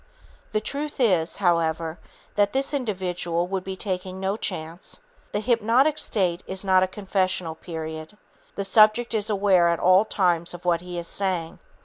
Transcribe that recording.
The truth is, however, that this individual would be taking no chance. The hypnotic state is not a confessional period. The subject is aware at all times of what he is saying.